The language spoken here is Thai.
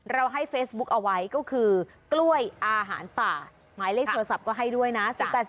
ให้เฟซบุ๊กเอาไว้ก็คือกล้วยอาหารป่าหมายเลขโทรศัพท์ก็ให้ด้วยนะ